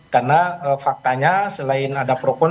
karena faktanya selain ada prokon